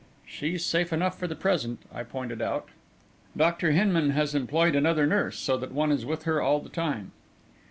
"She's safe enough for the present," I pointed out. "Dr. Hinman has employed another nurse, so that one is with her all the time."